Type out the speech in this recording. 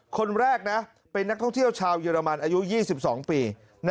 คนแรกนะเป็นนักท่องเที่ยวชาวเยอรมันอายุ๒๒ปี